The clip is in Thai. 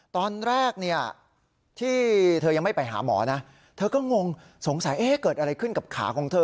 ตอนแรกเนี่ยที่เธอยังไม่ไปหาหมอนะเธอก็งงสงสัยเกิดอะไรขึ้นกับขาของเธอ